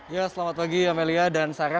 ya selamat pagi amelia dan sarah